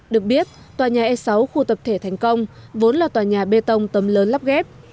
được biết tòa nhà e sáu khu tập thể thành công vốn là tòa nhà bê tông tấm lớn lắp ghép